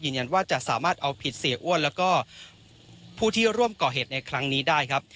ยืนยันว่าจะสามารถเอาผิดเสียอ้วนแล้วก็ผู้ที่ร่วมก่อเหตุในครั้งนี้ได้ครับ